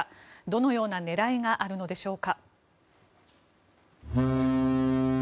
どのような狙いがあるのでしょうか。